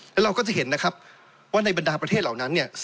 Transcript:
แล้วเราก็จะเห็นนะครับว่าในบรรดาประเทศเหล่านั้นเนี่ย